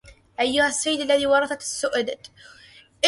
أيها السيد الذي ورث السؤدد